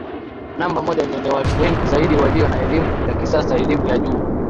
namba moja lenye watu wengi zaidi walio na elimu ya kisasa elimu ya juu